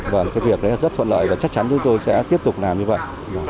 và cái việc đấy là rất thuận lợi và chắc chắn chúng tôi sẽ tiếp tục làm như vậy